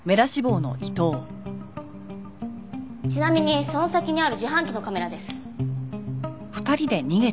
ちなみにその先にある自販機のカメラです。